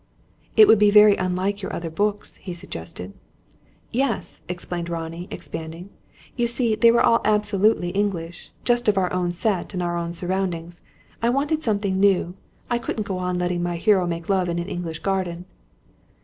"It will be very unlike your other books," he suggested. "Yes," explained Ronnie, expanding. "You see they were all absolutely English; just of our own set, and our own surroundings. I wanted something new. I couldn't go on letting my hero make love in an English garden."